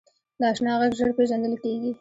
د اشنا غږ ژر پیژندل کېږي